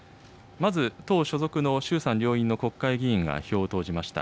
まず党所属の衆参両院の国会議員が票を投じました。